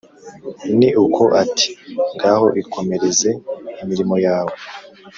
ni uko ati: “Ngaho ikomereze imirimo yawe.”